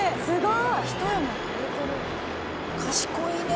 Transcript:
「すごい！」